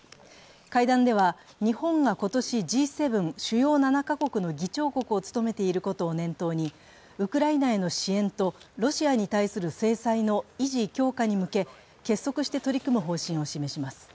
会談では日本が今年Ｇ７＝主要７か国の議長国を務めていることを念頭にウクライナへの支援とロシアに対する制裁の維持・強化に向け、結束して取り組む方針を示します。